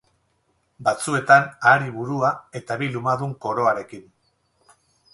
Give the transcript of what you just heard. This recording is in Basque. Batzuetan ahari burua eta bi lumadun koroarekin.